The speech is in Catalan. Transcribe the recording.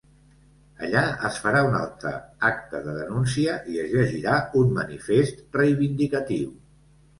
Allà es farà un altre acte de denúncia i es llegirà un manifest reivindicatiu.